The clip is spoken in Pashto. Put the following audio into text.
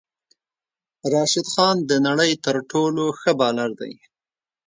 راشد خان د نړی تر ټولو ښه بالر دی